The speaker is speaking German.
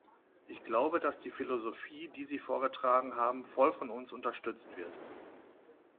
Ich glaube, dass die Philosophie, die Sie vorgetragen haben, voll von uns unterstützt wird.